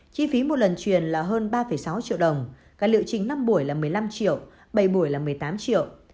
chi phí một lần truyền là hơn ba sáu triệu đồng tài liệu chính năm buổi là một mươi năm triệu bảy buổi là một mươi tám triệu